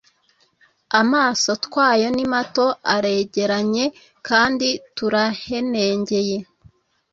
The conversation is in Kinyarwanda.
amaso twayo ni mato, aregeranye kandi turahenengeye,